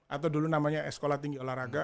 atau dulu namanya sekolah tinggi olahraga